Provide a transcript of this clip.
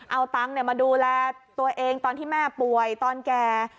เอาตังค์มาดูแลตัวเองตอนที่แม่ป่วยตอนแก่